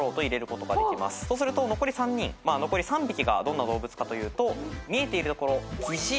そうすると残り３匹がどんな動物かというと見えている所。